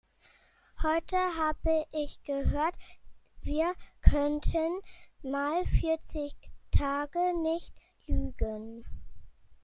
Heute habe ich gehört, wir könnten mal vierzig Tage nicht lügen.